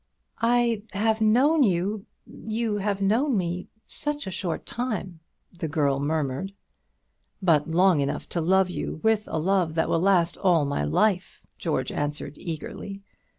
"I have known you you have known me such a short time," the girl murmured. "But long enough to love you with a love that will last all my life," George answered eagerly.